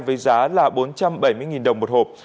với giá bốn trăm bảy mươi đồng một hộp